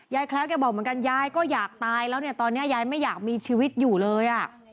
แคล้วแกบอกเหมือนกันยายก็อยากตายแล้วเนี่ยตอนนี้ยายไม่อยากมีชีวิตอยู่เลยอ่ะ